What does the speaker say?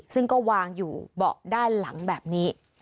ซึ่งก็วางอยู่เบาะด้านหลังแบบนี้